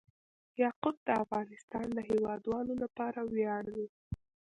یاقوت د افغانستان د هیوادوالو لپاره ویاړ دی.